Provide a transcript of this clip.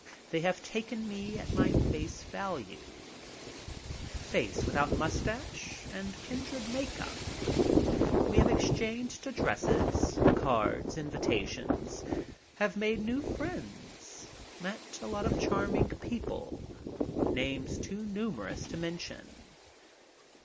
They have taken me at my face value — face without mustache and kindred make up. We have exchanged addresses, cards, invitations; have made new friends, met a lot of charming people, names too numerous to mention.